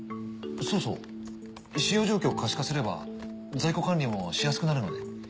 そうそう使用状況を可視化すれば在庫管理もしやすくなるので。